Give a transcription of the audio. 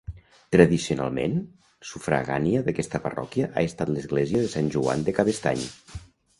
Tradicionalment, sufragània d'aquesta parròquia ha estat l'església de Sant Joan de Cabestany.